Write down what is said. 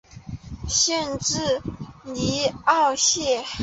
县治尼欧肖。